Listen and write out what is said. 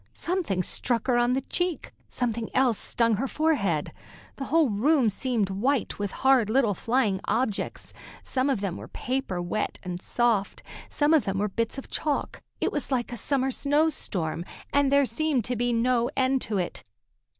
Something struck her on the cheek, something else stung her forehead. The whole room seemed white with hard little flying objects. Some of them were of paper, wet and soft, some were bits of chalk. It was like a summer snow storm, and there seemed to be no end to it.